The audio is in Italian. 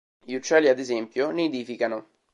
Gli uccelli, ad esempio, nidificano.